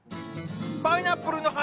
パイナップルの花